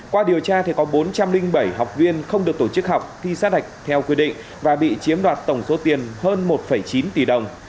qua điều tra có bốn trăm linh bảy học viên không được tổ chức học thi sát hạch theo quy định và bị chiếm đoạt tổng số tiền hơn một chín tỷ đồng